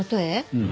うん。